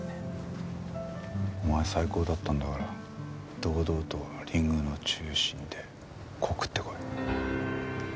お前最高だったんだから堂々とリングの中心で告ってこい。